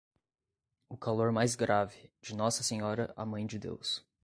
O calor mais grave, de Nossa Senhora a Mãe de Deus.